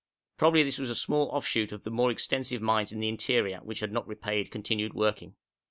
Probably this was a small offshoot of the more extensive mines in the interior which had not repaid continued working.